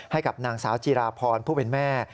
ให้กับนางสาวจีราพรผู้เป็นแม่